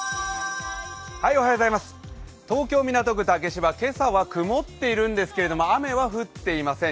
東京・港区竹芝、今朝は曇っているんですけれども雨は降っていません。